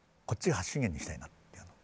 こっちが発信源にしたいなって。